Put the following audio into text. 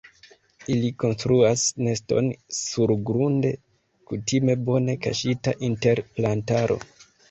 Ili konstruas neston surgrunde kutime bone kaŝita inter plantaro.